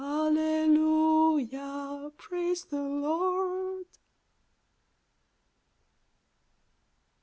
Alleluia I Praise the Lord